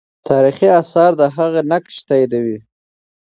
تاریخي آثار د هغې نقش تاییدوي.